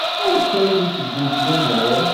Akka i tteddunt lumuṛ.